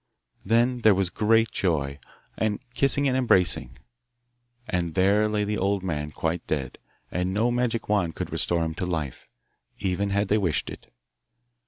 Then there was great joy, and kissing and embracing. And there lay the old man, quite dead, and no magic wand could restore him to life, even had they wished it.